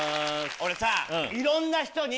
俺さ。